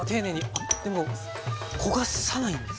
あっでも焦がさないんですね。